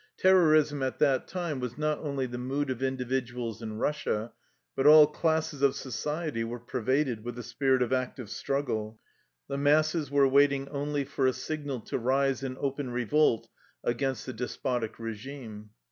Terrorism at that time was not only the mood of individuals in Russia, but all classes of society were pervaded with the spirit of active struggle. The masses were waiting only for a signal to rise in open revolt against the despotic regime.